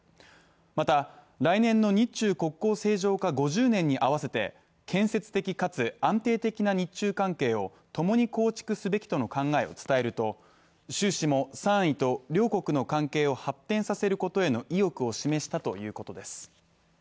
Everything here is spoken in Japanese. また来年の日中国交正常化５０年に合わせて建設的かつ安定的な日中関係を共に構築すべきとの考えを伝えると習氏も賛意と両国の関係を発展させることへの意欲を示したということです。